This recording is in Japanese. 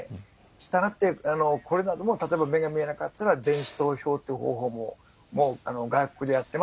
したがってこれなども例えば目が見えなかったら電子投票っていう方法ももう外国でやってますしね。